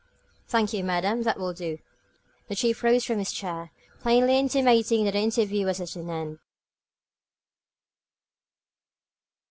"Thank you, madame, that will do." The Chief rose from his chair, plainly intimating that the interview was at an end.